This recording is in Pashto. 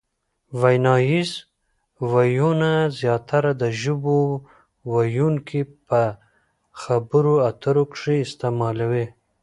ویناییز وییونه زیاتره د ژبو ویونکي په خبرو اترو کښي استعمالوي.